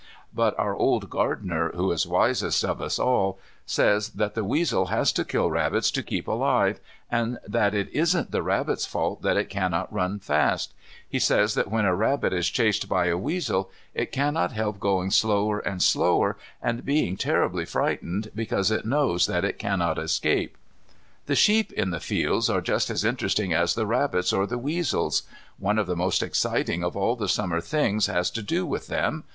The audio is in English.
But our old gardener, who is wisest of us all, says that the weasel has to kill rabbits to keep alive, and that it isn't the rabbit's fault that it cannot run fast. He says that when a rabbit is chased by a weasel it cannot help going slower and slower, and being terribly frightened because it knows that it cannot escape. The sheep in the fields are just as interesting as the rabbits or the weasels. One of the most exciting of all the Summer things has to do with them.